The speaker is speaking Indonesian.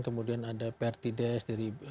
kemudian ada prt des dari